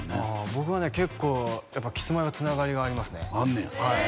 僕はね結構やっぱキスマイはつながりがありますねあんねやはい